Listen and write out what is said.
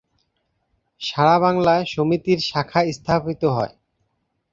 সারা বাংলায় সমিতির শাখা স্থাপিত হয়।